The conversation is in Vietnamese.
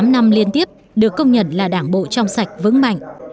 một mươi tám năm liên tiếp được công nhận là đảng bộ trong sạch vững mạnh